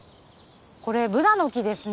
これブナの木ですね。